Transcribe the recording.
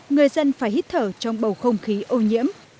người dân phải hít thở trong bầu không khí ô nhiễm